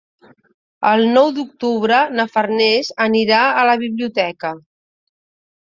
El nou d'octubre na Farners anirà a la biblioteca.